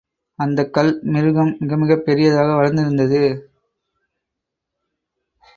அந்தக் கல் மிருகம் மிகமிகப் பெரியதாக வளர்ந்திருந்தது.